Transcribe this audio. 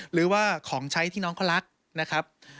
หรือว่าของใช้ที่น้องเขารักนะครับ